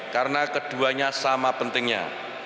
karena keduanya sama pentingnya